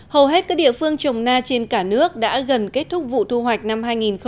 hầu hết các địa phương trồng na trên cả nước đã gần kết thúc vụ thu hoạch năm hai nghìn hai mươi